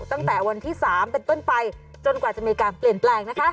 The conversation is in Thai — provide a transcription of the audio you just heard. ตั้งแต่วันที่๓เป็นต้นไปจนกว่าจะมีการเปลี่ยนแปลงนะคะ